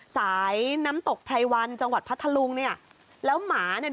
สายน้ำตกไพรวันจังหวัดพัทธลุงเนี่ยแล้วหมาเนี่ย